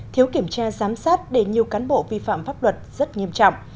thiếu kiểm tra giám sát để nhiều cán bộ vi phạm pháp luật rất nghiêm trọng